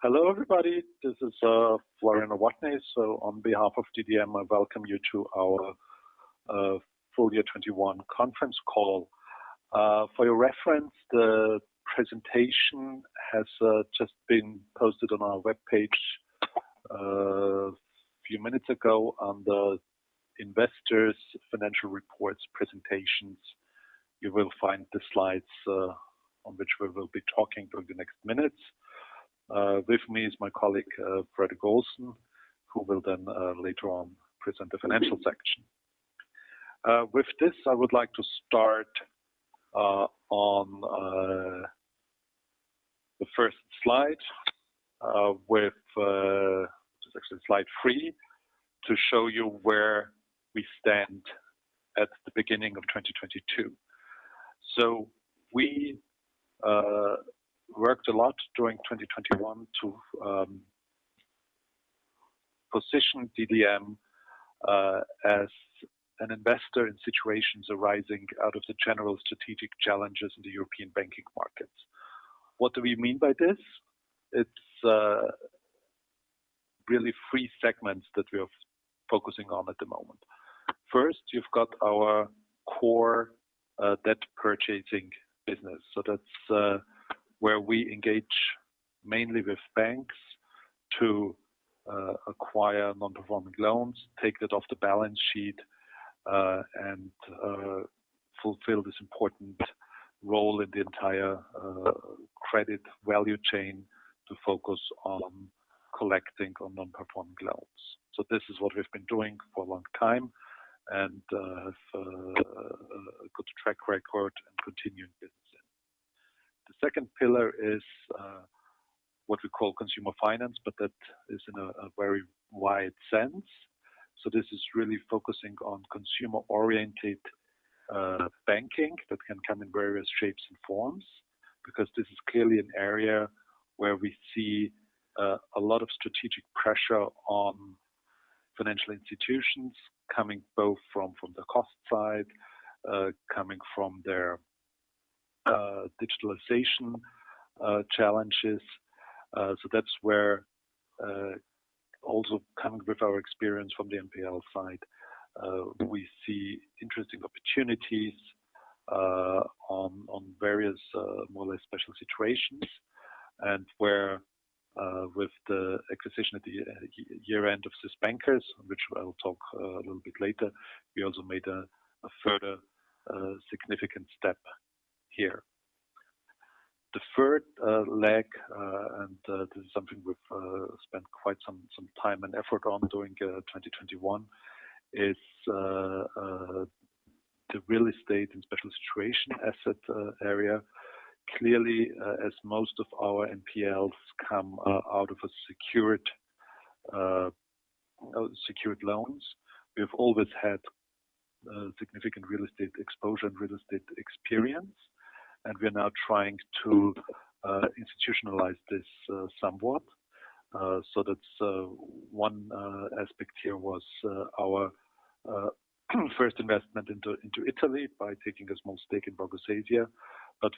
Hello, everybody. This is Florian Nowotny. On behalf of DDM, I welcome you to our full year 2021 conference call. For your reference, the presentation has just been posted on our webpage few minutes ago on the investors financial reports presentations. You will find the slides on which we will be talking through the next minutes. With me is my colleague Fredrik Olsson, who will then later on present the financial section. With this, I would like to start on the first slide. This is actually slide three, to show you where we stand at the beginning of 2022. We worked a lot during 2021 to position DDM as an investor in situations arising out of the general strategic challenges in the European banking markets. What do we mean by this? It's really three segments that we are focusing on at the moment. First, you've got our core debt purchasing business. That's where we engage mainly with banks to acquire non-performing loans, take that off the balance sheet, and fulfill this important role in the entire credit value chain to focus on collecting on non-performing loans. This is what we've been doing for a long time and have a good track record and continued business in. The second pillar is what we call consumer finance, but that is in a very wide sense. This is really focusing on consumer-oriented banking that can come in various shapes and forms, because this is clearly an area where we see a lot of strategic pressure on financial institutions coming both from the cost side, coming from their digitalization challenges. That's where also coming with our experience from the NPL side, we see interesting opportunities on various more or less special situations. With the acquisition at the year end of Swiss Bankers, which I'll talk a little bit later, we also made a further significant step here. The third leg, and this is something we've spent quite some time and effort on during 2021, is the real estate and special situations asset area. Clearly, as most of our NPLs come out of secured loans, we've always had significant real estate exposure and real estate experience, and we're now trying to institutionalize this somewhat. That's one aspect here was our first investment into Italy by taking a small stake in Borgosesia.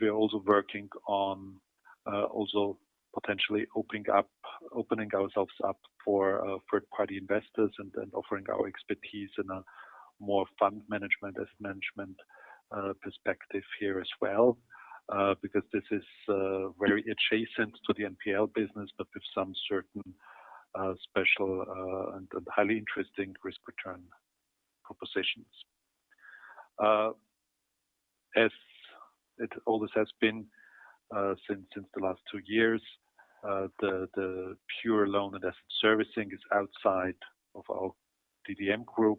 We are also working on potentially opening ourselves up for third-party investors and then offering our expertise in a more fund management, asset management perspective here as well, because this is very adjacent to the NPL business, but with some certain special and highly interesting risk-return propositions. As it always has been since the last two years, the pure loan and asset servicing is outside of our DDM group.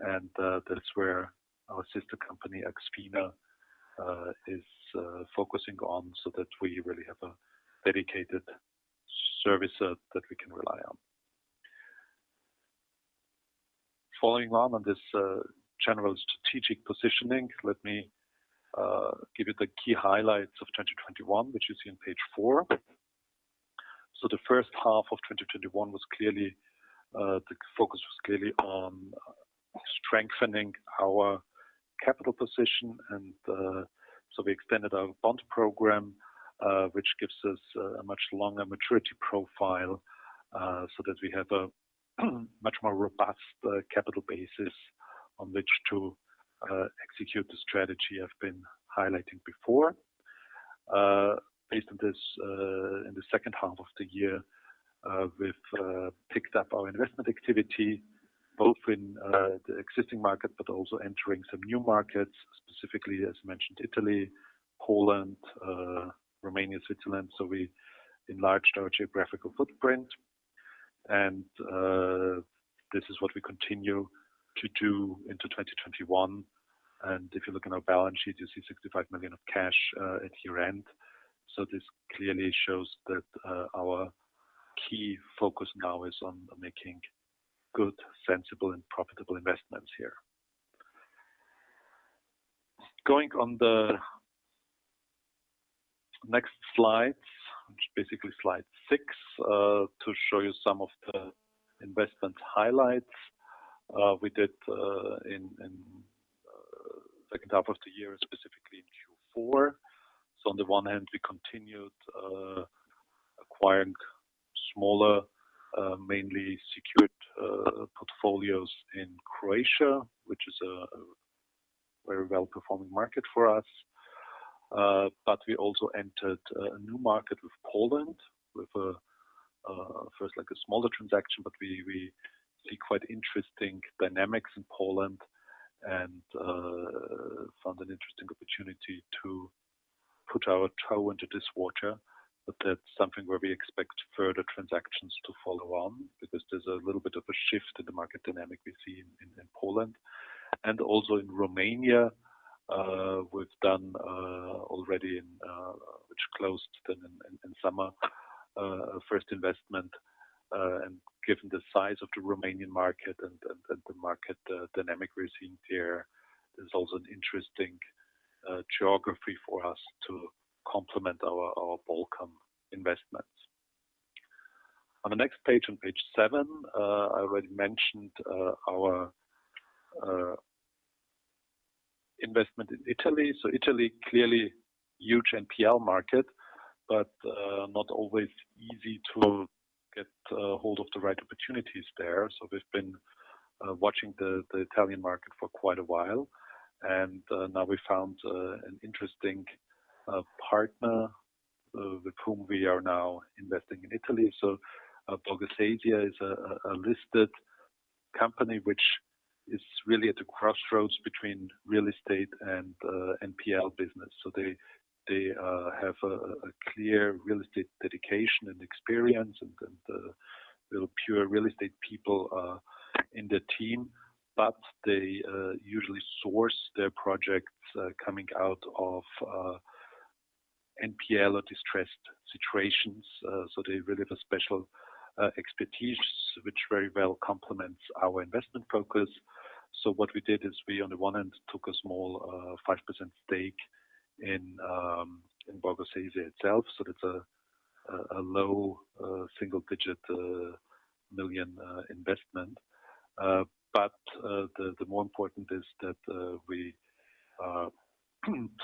That's where our sister company, AxFina, is focusing on so that we really have a dedicated service that we can rely on. Following on this general strategic positioning, let me give you the key highlights of 2021, which you see on page four. The first half of 2021 was clearly the focus was clearly on strengthening our capital position. We extended our bond program, which gives us a much longer maturity profile, so that we have a much more robust capital basis on which to execute the strategy I've been highlighting before. Based on this, in the second half of the year, we've picked up our investment activity, both in the existing market, but also entering some new markets, specifically, as mentioned, Italy, Poland, Romania, Switzerland. We enlarged our geographical footprint. This is what we continue to do into 2021. If you look in our balance sheet, you see 65 million of cash at year-end. This clearly shows that our key focus now is on making good, sensible, and profitable investments here. Going on the next slide, which is basically slide six, to show you some of the investment highlights we did in the second half of the year, specifically in Q4. On the one hand, we continued acquiring smaller mainly secured portfolios in Croatia, which is a very well-performing market for us. We also entered a new market with Poland with a first like a smaller transaction, but we see quite interesting dynamics in Poland and found an interesting opportunity to put our toe into this water. That's something where we expect further transactions to follow on because there's a little bit of a shift in the market dynamic we see in Poland. Also in Romania, we've already done our first investment, which closed in summer. Given the size of the Romanian market and the market dynamic we're seeing there's also an interesting geography for us to complement our Balkan investments. On the next page, on page seven, I already mentioned our investment in Italy. Italy clearly huge NPL market, but not always easy to get hold of the right opportunities there. We've been watching the Italian market for quite a while. Now we found an interesting partner with whom we are now investing in Italy. Borgosesia is a listed company which is really at the crossroads between real estate and NPL business. They have a clear real estate dedication and experience and real pure real estate people in the team. They usually source their projects coming out of NPL or distressed situations. They really have a special expertise which very well complements our investment focus. What we did is we, on the one hand, took a small 5% stake in Borgosesia itself. That's a low single-digit million EUR investment. The more important is that we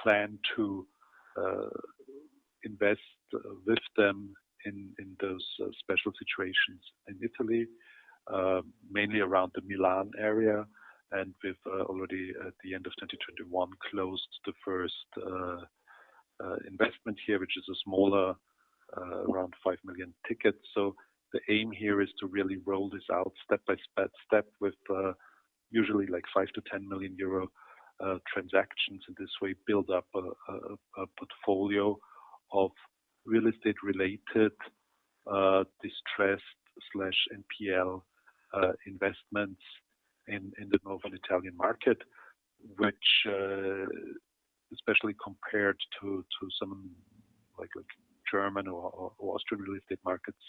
plan to invest with them in those special situations in Italy, mainly around the Milan area. We've already at the end of 2021 closed the first investment here, which is a smaller, around 5 million ticket. The aim here is to really roll this out step by step with usually like 5 million-10 million euro transactions. In this way, build up a portfolio of real estate related distressed/NPL investments in the northern Italian market, which especially compared to some like a German or Austrian real estate markets,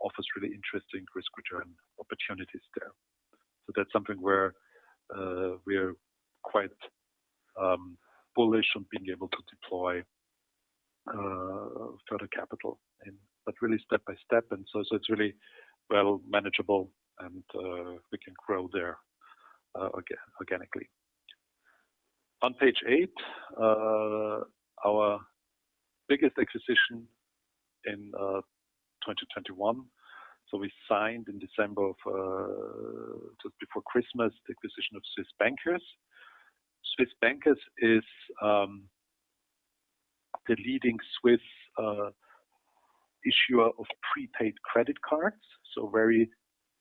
offers really interesting risk return opportunities there. That's something where we're quite bullish on being able to deploy further capital and really step-by-step, it's really well manageable and we can grow there organically. On page eight, our biggest acquisition in 2021. We signed in December, just before Christmas, the acquisition of Swiss Bankers. Swiss Bankers is the leading Swiss issuer of prepaid credit cards. Very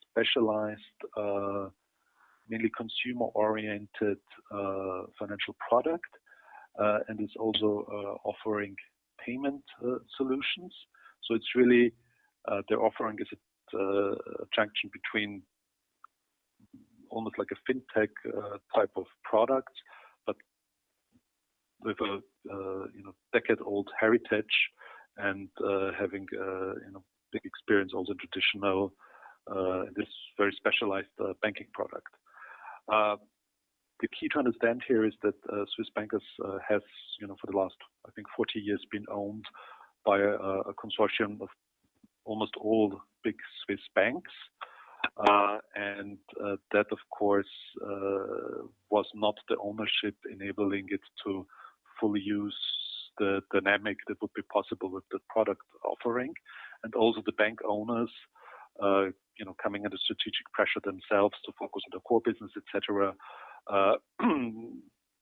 specialized, mainly consumer-oriented financial product, and is also offering payment solutions. It's really their offering is at a junction between almost like a fintech type of product, but with a you know decade-old heritage and having you know big experience, also traditional in this very specialized banking product. The key to understand here is that Swiss Bankers has you know for the last I think 40 years been owned by a consortium of almost all big Swiss banks. That of course was not the ownership enabling it to fully use the dynamic that would be possible with the product offering. Also the bank owners you know coming under strategic pressure themselves to focus on the core business, et cetera,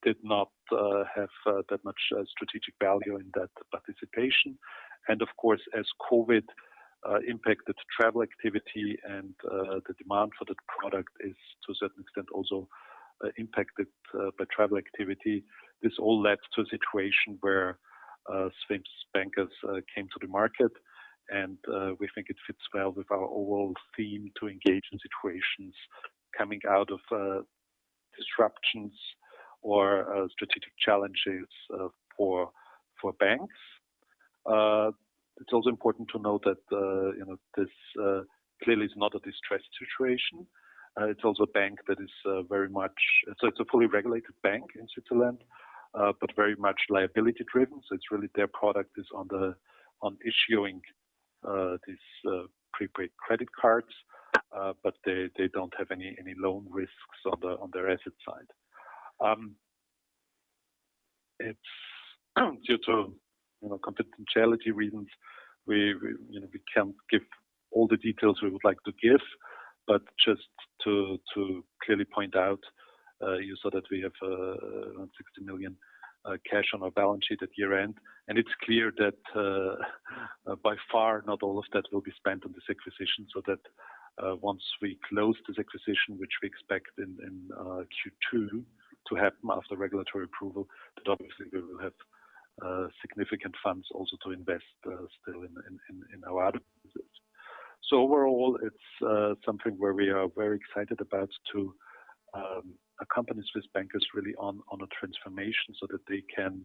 did not have that much strategic value in that participation. Of course, as COVID impacted travel activity and the demand for that product is to a certain extent also impacted by travel activity. This all led to a situation where Swiss Bankers came to the market, and we think it fits well with our overall theme to engage in situations coming out of disruptions or strategic challenges for banks. It's also important to note that you know this clearly is not a distressed situation. It's also a bank that is very much a fully regulated bank in Switzerland, but very much liability-driven. It's really their product is on issuing these prepaid credit cards. But they don't have any loan risks on their asset side. It's due to, you know, confidentiality reasons, you know, we can't give all the details we would like to give. Just to clearly point out, you saw that we have 60 million cash on our balance sheet at year-end. It's clear that, by far, not all of that will be spent on this acquisition, so that once we close this acquisition, which we expect in Q2 to happen after regulatory approval, that obviously we will have significant funds also to invest still in our other businesses. Overall it's something where we are very excited about to accompany Swiss Bankers really on a transformation so that they can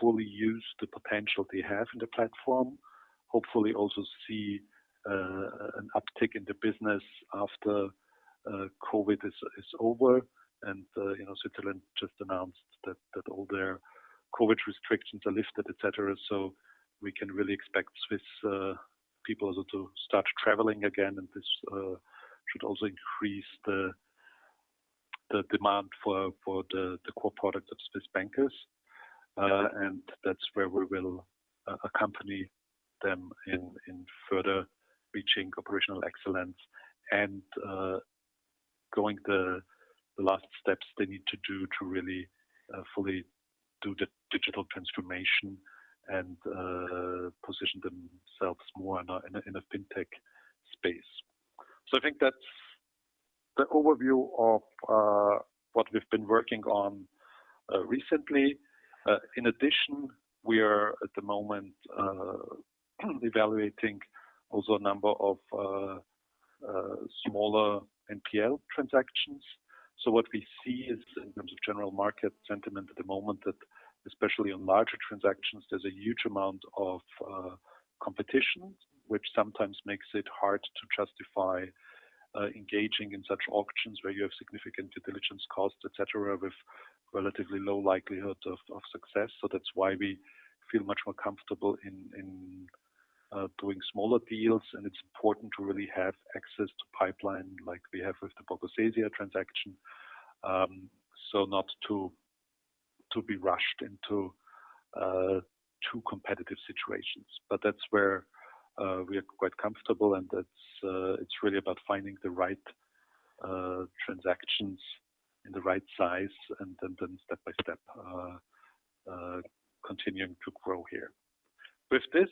fully use the potential they have in the platform. Hopefully we'll also see an uptick in the business after COVID is over. You know, Switzerland just announced that all their COVID restrictions are lifted, et cetera. We can really expect Swiss people also to start traveling again. This should also increase the demand for the core product of Swiss Bankers. That's where we will accompany them in further reaching operational excellence and going the last steps they need to do to really fully do the digital transformation and position themselves more in a fintech space. I think that's the overview of what we've been working on recently. In addition, we are at the moment evaluating also a number of smaller NPL transactions. What we see is in terms of general market sentiment at the moment that especially on larger transactions, there's a huge amount of competition, which sometimes makes it hard to justify engaging in such auctions where you have significant due diligence costs, et cetera, with relatively low likelihood of success. That's why we feel much more comfortable doing smaller deals. It's important to really have access to pipeline like we have with the Borgosesia transaction, so not to be rushed into too competitive situations. That's where we are quite comfortable and it's really about finding the right transactions in the right size and then step by step continuing to grow here. With this,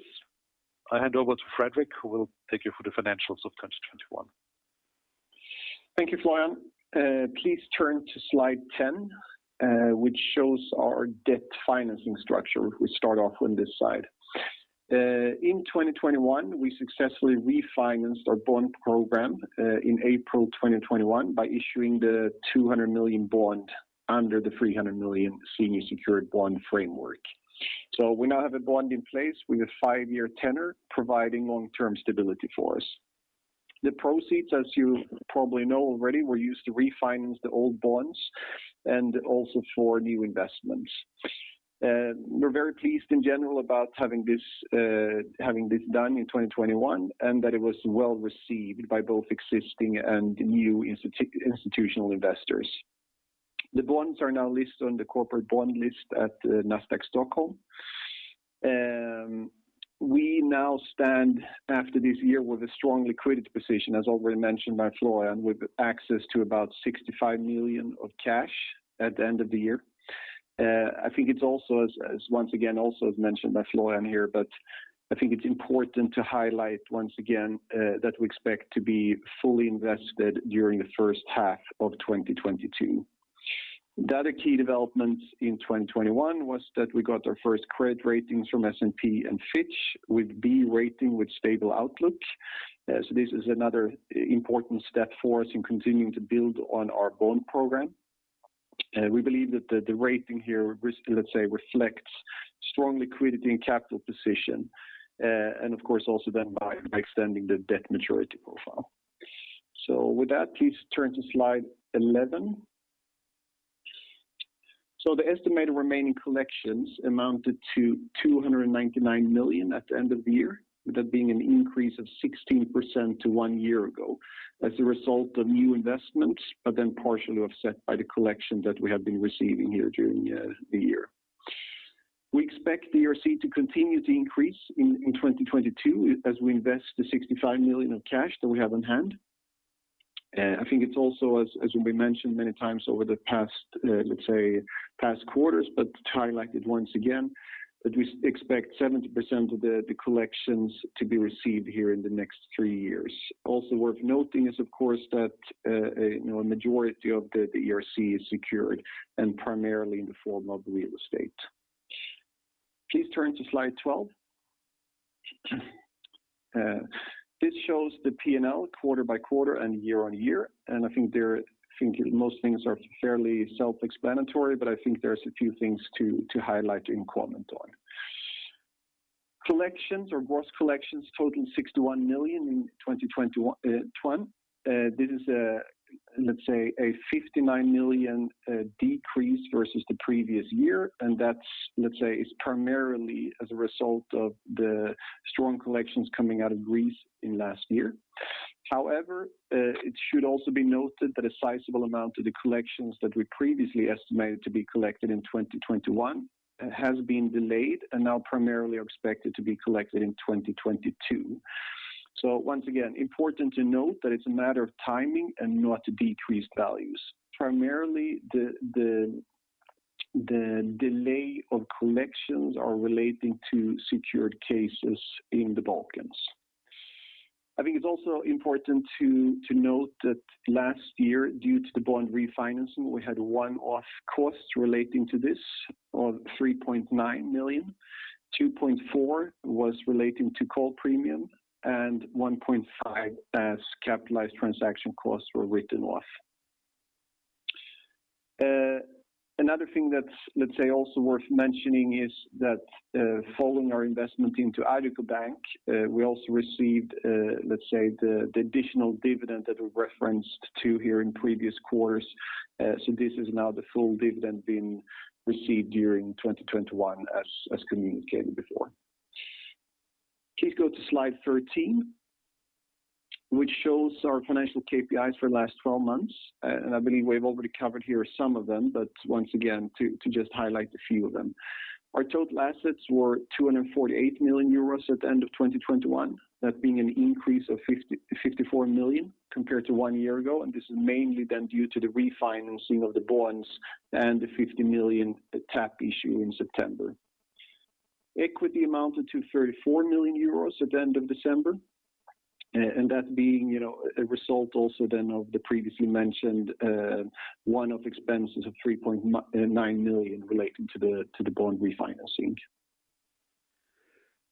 I hand over to Fredrik, who will take you through the financials of 2021. Thank you, Florian. Please turn to slide 10, which shows our debt financing structure. We start off on this slide. In 2021, we successfully refinanced our bond program in April 2021 by issuing the 200 million bond under the 300 million senior secured bond framework. We now have a bond in place with a five-year tenor providing long-term stability for us. The proceeds, as you probably know already, were used to refinance the old bonds and also for new investments. We're very pleased in general about having this done in 2021, and that it was well received by both existing and new institutional investors. The bonds are now listed on the corporate bond list at Nasdaq Stockholm. We now stand after this year with a strong liquidity position, as already mentioned by Florian, with access to about 65 million in cash at the end of the year. I think it's also, as once again mentioned by Florian here, but I think it's important to highlight once again that we expect to be fully invested during the first half of 2022. The other key development in 2021 was that we got our first credit ratings from S&P and Fitch with B rating with stable outlook. This is another important step for us in continuing to build on our bond program. We believe that the rating here, risky, let's say, reflects strong liquidity and capital position by extending the debt maturity profile. With that, please turn to slide 11. This shows the P&L quarter by quarter and year-on-year. I think most things are fairly self-explanatory, but I think there's a few things to highlight and comment on. Collections, or gross collections, totaling 61 million in 2021. This is a, let's say, 59 million decrease versus the previous year. That's, let's say, primarily as a result of the strong collections coming out of Greece in last year. However, it should also be noted that a sizable amount of the collections that we previously estimated to be collected in 2021 has been delayed and now primarily are expected to be collected in 2022. Once again, important to note that it's a matter of timing and not decreased values. Primarily, the delay of collections are relating to secured cases in the Balkans. I think it's also important to note that last year, due to the bond refinancing, we had one-off costs relating to this of 3.9 million. 2.4 was relating to call premium and 1.5 as capitalized transaction costs were written off. Another thing that's, let's say, also worth mentioning is that, following our investment into Addiko Bank, we also received, let's say the additional dividend that we referenced to here in previous quarters. So this is now the full dividend being received during 2021 as communicated before. Please go to slide 13, which shows our financial KPIs for the last 12 months. I believe we've already covered here some of them, but once again, to just highlight a few of them. Our total assets were 248 million euros at the end of 2021. That being an increase of 54 million compared to one year ago. This is mainly then due to the refinancing of the bonds and the 50 million tap issue in September. Equity amounted to 34 million euros at the end of December. That being, you know, a result also then of the previously mentioned one-off expenses of 3.9 million relating to the bond refinancing.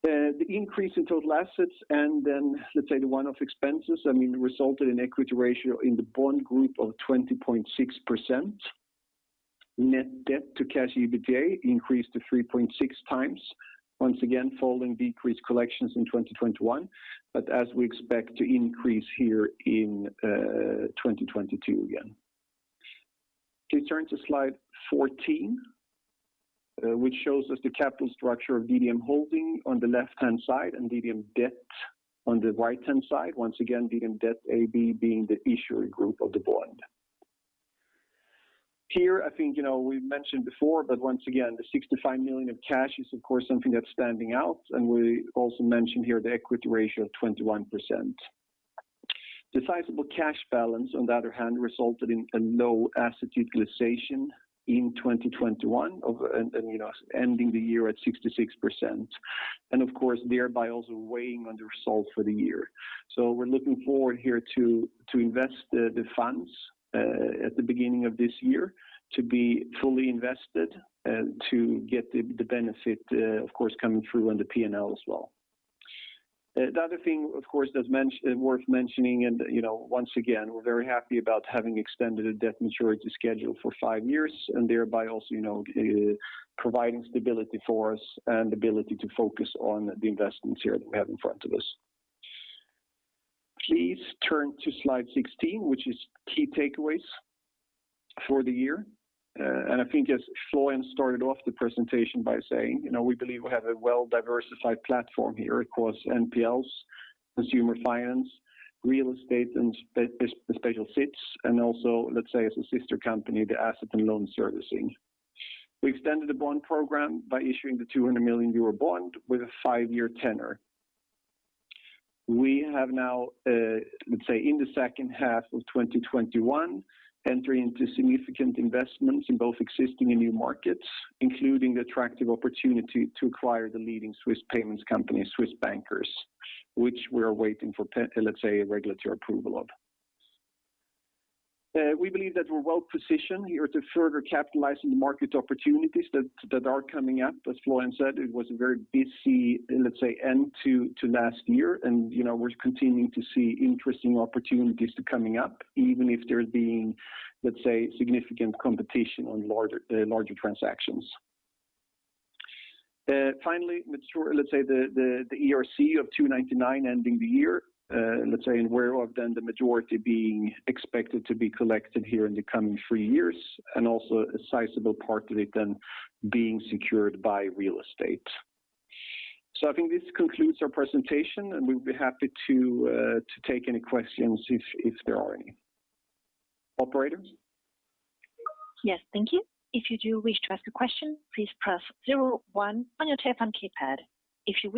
The increase in total assets and then let's say the one-off expenses, I mean, resulted in equity ratio in the bond group of 20.6%. Net debt to cash EBITDA increased to 3.6 times. Once again, following decreased collections in 2021. As we expect to increase here in 2022 again. Please turn to slide 14, which shows us the capital structure of DDM Holding on the left-hand side and DDM Debt on the right-hand side. Once again, DDM Debt AB being the issuer group of the bond. Here, I think, you know, we've mentioned before, but once again, the 65 million of cash is of course something that's standing out. We also mentioned here the equity ratio of 21%. Idle cash balance, on the other hand, resulted in a low asset utilization in 2021, you know, ending the year at 66%. Of course, thereby also weighing on the result for the year. We're looking forward here to invest the funds at the beginning of this year to be fully invested to get the benefit of course coming through on the P&L as well. The other thing, of course, that's worth mentioning and, you know, once again, we're very happy about having extended a debt maturity schedule for five years and thereby also, you know, providing stability for us and ability to focus on the investments here that we have in front of us. Please turn to slide 16, which is key takeaways for the year. I think as Florian started off the presentation by saying, you know, we believe we have a well-diversified platform here across NPLs, consumer finance, real estate and special sits, and also, let's say as a sister company, the asset and loan servicing. We extended the bond program by issuing the 200 million euro bond with a five-year tenor. We have now, let's say in the second half of 2021, entering into significant investments in both existing and new markets, including the attractive opportunity to acquire the leading Swiss payments company, Swiss Bankers, which we are waiting for, let's say, regulatory approval of. We believe that we're well positioned here to further capitalize on the market opportunities that are coming up. As Florian said, it was a very busy, let's say, end to last year. You know, we're continuing to see interesting opportunities coming up, even if there's been, let's say, significant competition on larger transactions. Finally, let's say the ERC of 299 ending the year, let's say, and whereof then the majority being expected to be collected here in the coming three years and also a sizable part of it then being secured by real estate. I think this concludes our presentation, and we'll be happy to take any questions if there are any. Operator. Yes. Thank you.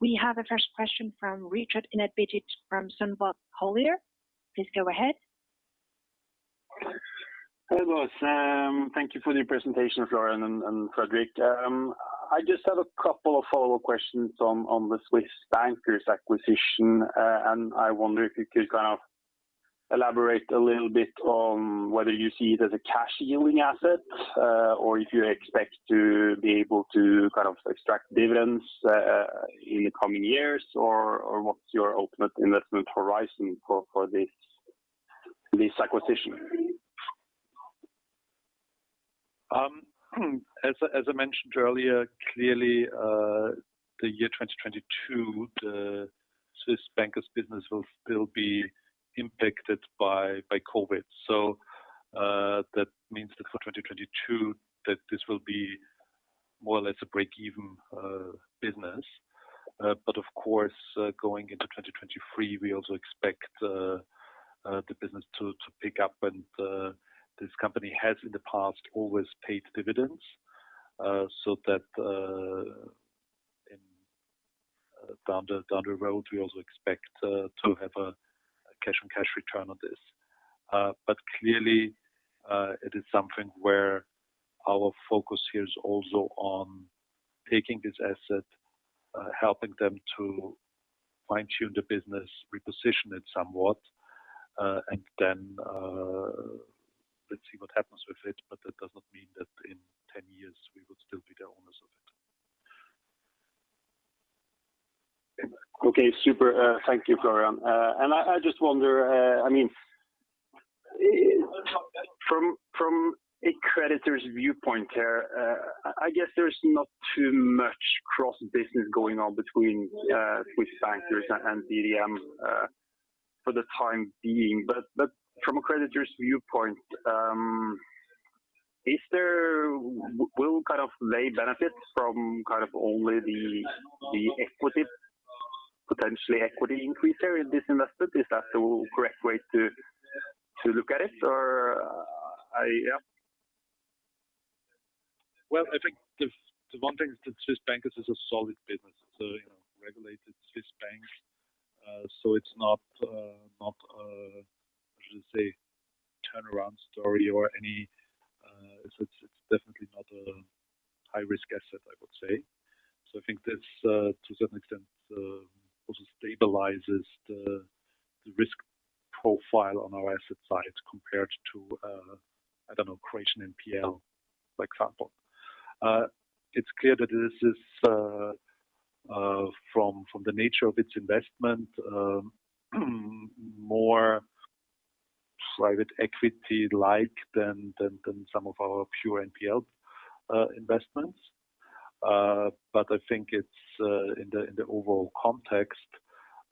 We have a first question from Richard Ingebrigtsen from ABG Sundal Collier. Please go ahead. Hello, Sam. Thank you for the presentation, Florian and Fredrik. I just have a couple of follow-up questions on the Swiss Bankers acquisition. I wonder if you could kind of Elaborate a little bit on whether you see it as a cash yielding asset, or if you expect to be able to kind of extract dividends, in the coming years or what's your ultimate investment horizon for this acquisition? As I mentioned earlier, clearly, 2022, the Swiss Bankers business will still be impacted by COVID. That means that for 2022 this will be more or less a break-even business. Of course, going into 2023, we also expect the business to pick up and this company has in the past always paid dividends, so that in down the road, we also expect to have a cash on cash return on this. Clearly, it is something where our focus here is also on taking this asset, helping them to fine-tune the business, reposition it somewhat, and then, let's see what happens with it, but that does not mean that in ten years we would still be the owners of it. Okay. Super. Thank you, Florian. I just wonder, I mean, from a creditor's viewpoint here, I guess there's not too much cross business going on between Swiss Bankers and DDM, for the time being. From a creditor's viewpoint, will they kind of benefit from kind of only the potentially equity increase here in this investment? Is that the correct way to look at it or I yeah. Well, I think the one thing is that Swiss Bankers is a solid business. You know, regulated Swiss bank. It's not how should I say, turnaround story or any. It's definitely not a high-risk asset, I would say. I think this to a certain extent also stabilizes the risk profile on our asset side compared to, I don't know, Croatian NPL, for example. It's clear that this is from the nature of its investment more private equity like than some of our pure NPL investments. I think it's in the overall context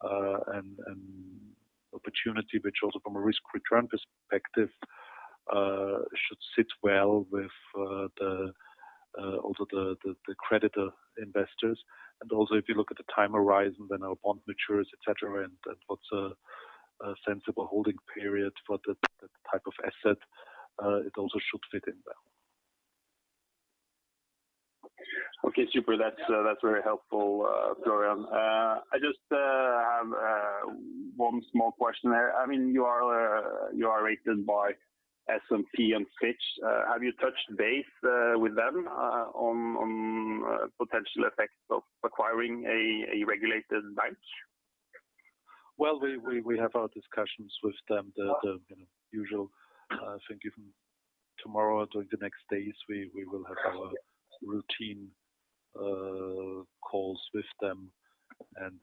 and opportunity, which also from a risk return perspective should sit well with also the creditor investors. Also, if you look at the time horizon when our bond matures, et cetera, and what's a sensible holding period for the type of asset, it also should fit in well. Okay. Super. That's very helpful, Florian. I just have one small question there. I mean, you are rated by S&P and Fitch. Have you touched base with them on potential effects of acquiring a regulated bank? Well, we have our discussions with them, the usual thing, you know, even tomorrow or during the next days, we will have our routine calls with them and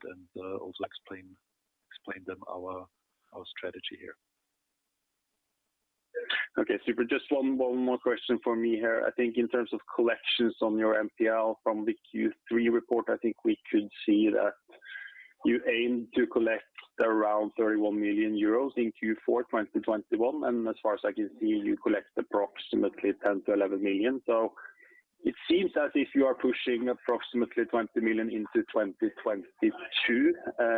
also explain them our strategy here. Okay. Super. Just one more question for me here. I think in terms of collections on your NPL from the Q3 report, I think we could see that you aim to collect around 31 million euros in Q4 2021, and as far as I can see, you collect approximately 10 million-11 million. It seems as if you are pushing approximately 20 million into 2022,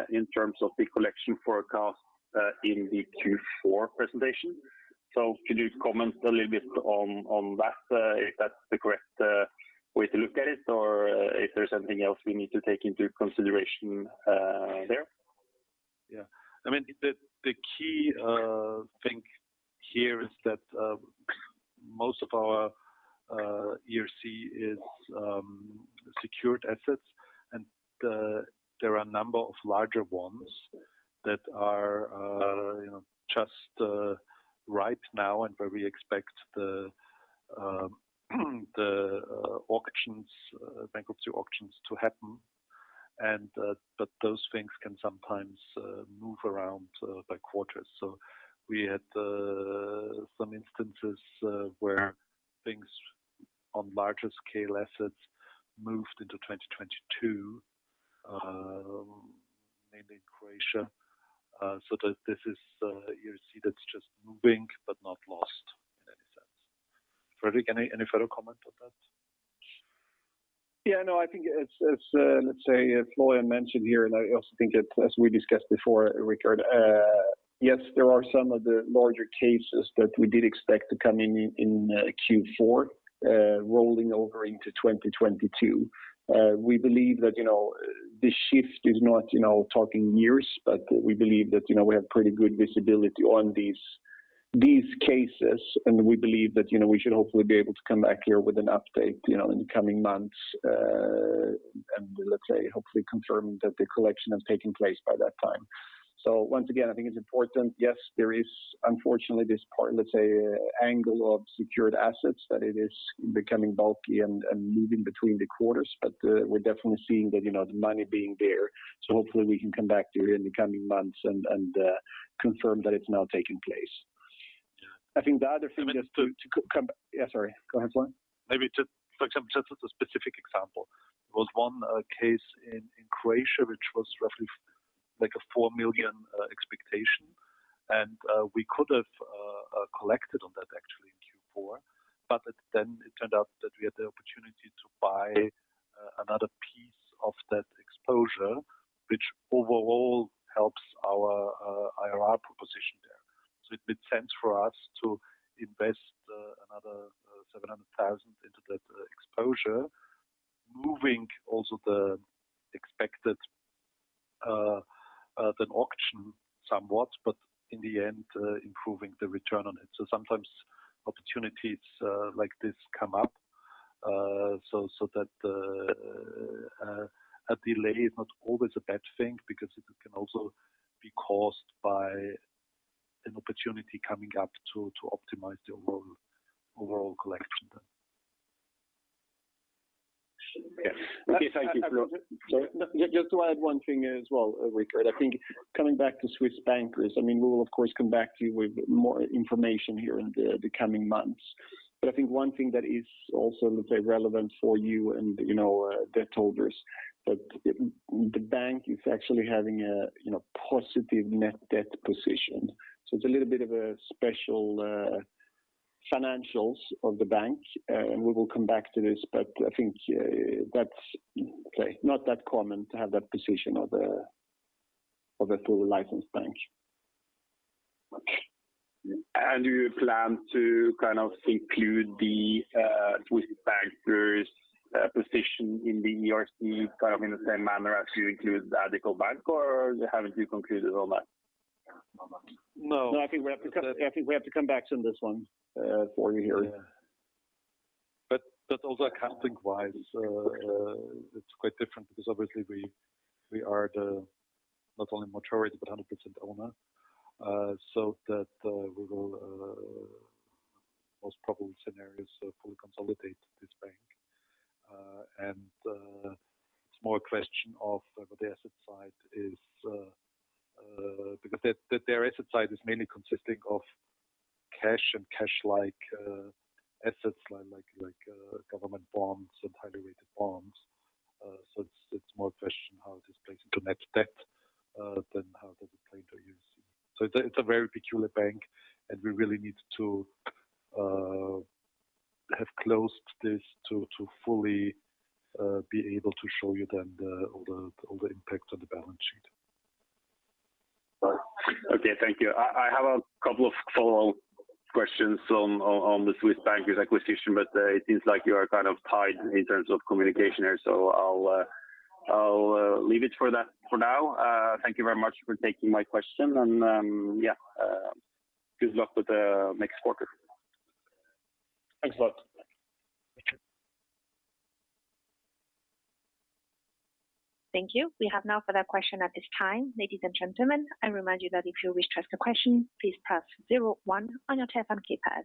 in terms of the collection forecast, in the Q4 presentation. Can you comment a little bit on that? If that's the correct way to look at it or if there's something else we need to take into consideration there? Yeah. I mean, the key thing here is that most of our ERC is secured assets, and there are a number of larger ones that are, you know, just right now and where we expect the auctions, bankruptcy auctions to happen. But those things can sometimes move around by quarters. So we had some instances where things on larger scale assets moved into 2022, mainly in Croatia, so that this is ERC that's just moving but not lost in any sense. Fredrik, any further comment on that? Yeah, no, I think it's let's say Florian mentioned here, and I also think it, as we discussed before, Richard, yes, there are some of the larger cases that we did expect to come in Q4, rolling over into 2022. We believe that, you know, this shift is not, you know, talking years, but we believe that, you know, we have pretty good visibility on these cases, and we believe that, you know, we should hopefully be able to come back here with an update, you know, in the coming months, and let's say, hopefully confirm that the collection has taken place by that time. Once again, I think it's important. Yes, there is unfortunately this part, let's say, angle of secured assets that it is becoming bulky and moving between the quarters. We're definitely seeing that, you know, the money being there. Hopefully we can come back to you in the coming months and confirm that it's now taking place. Yeah. I think the other thing just to come. Yeah, sorry. Go ahead, Florian. Maybe just for example, just as a specific example, there was one case in Croatia, which was roughly like a 4 million expectation. We could have collected on that actually in Q4, but it then turned out that we had the opportunity to buy another piece of that exposure, which overall helps our IRR proposition there. It made sense for us to invest another 700 thousand into that exposure, moving also the expected auction somewhat, but in the end, improving the return on it. Sometimes opportunities like this come up, so that a delay is not always a bad thing because it can also be caused by an opportunity coming up to optimize the overall collection then. Yeah. Okay. Thank you, Florian. Sorry. Just to add one thing as well, Richard. I think coming back to Swiss Bankers, I mean, we will of course come back to you with more information here in the coming months. But I think one thing that is also, let's say, relevant for you and, you know, debt holders, that the bank is actually having a, you know, positive net debt position. So it's a little bit of a special financials of the bank. And we will come back to this, but I think that's okay not that common to have that position of a fully licensed bank. Okay. Do you plan to kind of include the Swiss Bankers position in the ERC kind of in the same manner as you include the Addiko Bank, or haven't you concluded on that? No. No. I think we have to come back to this one, for you here. Also accounting wise, it's quite different because obviously we are not only majority, but 100% owner, so that we will most probable scenario is fully consolidate this bank. It's more a question of the asset side is because their asset side is mainly consisting of cash and cash-like assets like government bonds and highly rated bonds. So it's more a question how this plays into net debt than how does it play into equity. It's a very peculiar bank, and we really need to have closed this to fully be able to show you then all the impact on the balance sheet. Right. Okay. Thank you. I have a couple of follow-up questions on the Swiss Bankers acquisition, but it seems like you are kind of tied in terms of communication here, so I'll leave it for that for now. Thank you very much for taking my question and yeah, good luck with the next quarter. Thanks a lot. Thank you. Thank you. We have no further question at this time. Ladies and gentlemen, I remind you that if you wish to ask a question, please press zero one on your telephone keypad.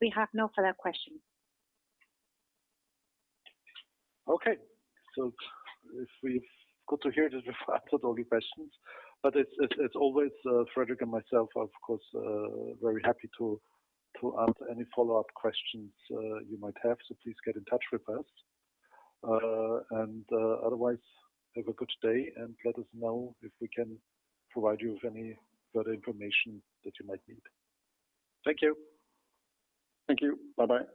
We have no further questions. Okay. If we've got to here, just we've answered all the questions, but it's always, Fredrik and myself are of course very happy to answer any follow-up questions you might have. Please get in touch with us. Otherwise, have a good day and let us know if we can provide you with any further information that you might need. Thank you. Thank you. Bye-bye.